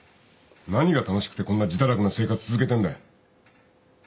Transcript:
何が楽しくてこんな自堕落な生活続けてんだよ。